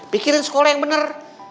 pikirin sekolah yang bener